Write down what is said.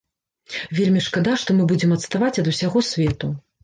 Вельмі шкада, што мы будзем адставаць ад усяго свету.